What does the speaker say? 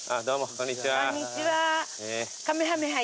こんにちは。